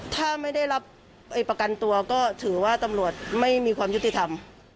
ถ้าไม่ได้รับประกันตัวก็ถือว่าตำรวจไม่มีความยุติธรรม